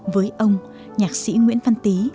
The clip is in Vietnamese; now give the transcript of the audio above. với ông nhạc sĩ nguyễn văn tý